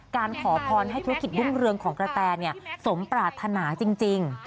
ขอพรให้ธุรกิจรุ่งเรืองของกระแตสมปรารถนาจริง